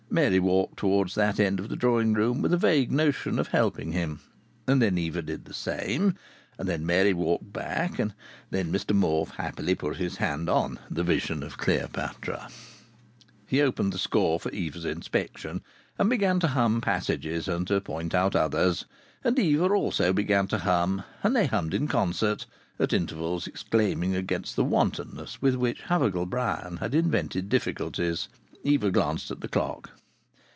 Mary walked towards that end of the drawing room with a vague notion of helping him, and then Eva did the same, and then Mary walked back, and then Mr Morfe happily put his hand on the Vision of Cleopatra. He opened the score for Eva's inspection, and began to hum passages and to point out others, and Eva also began to hum, and they hummed in concert, at intervals exclaiming against the wantonness with which Havergal Brian had invented difficulties. Eva glanced at the clock.